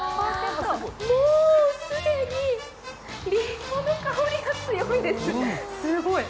もう既にりんごの香りが強いです、すごい。